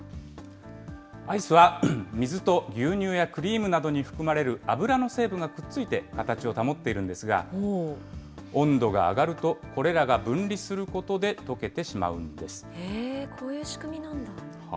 アイスは、水と牛乳やクリームなどに含まれる油の成分がくっついて形を保っているんですが、温度が上がると、これらが分離することで溶けてしこういう仕組みなんだ。